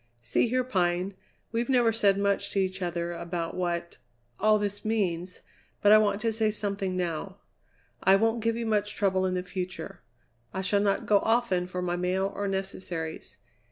"See here, Pine, we've never said much to each other about what all this means, but I want to say something now. I won't give you much trouble in the future. I shall not go often for my mail, or necessaries.